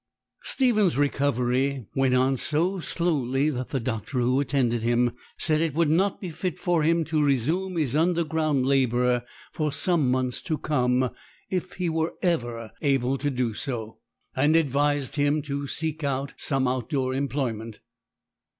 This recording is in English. Stephen's recovery went on so slowly, that the doctor who attended him said it would not be fit for him to resume his underground labour for some months to come, if he were ever able to do so; and advised him to seek some out door employment.